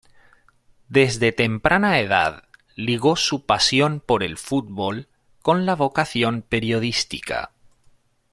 Desde temprana edad ligó su pasión por el fútbol con la vocación periodística.